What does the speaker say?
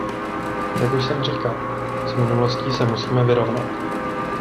Jak už jsem říkal, s minulostí se musíme vyrovnat.